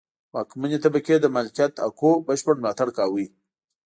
واکمنې طبقې د مالکیت حقونو بشپړ ملاتړ کاوه.